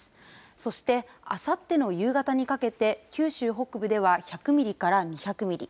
そして、あさっての夕方にかけて九州北部では１００ミリから２００ミリ。